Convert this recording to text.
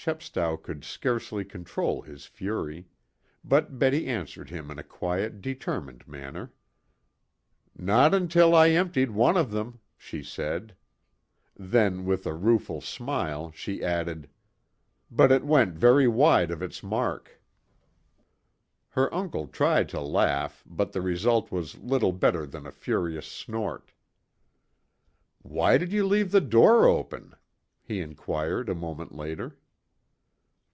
Chepstow could scarcely control his fury. But Betty answered him in a quiet determined manner. "Not until I had emptied one of them," she said. Then with a rueful smile she added, "But it went very wide of its mark." Her uncle tried to laugh, but the result was little better than a furious snort. "Why did you leave the door open?" he inquired a moment later.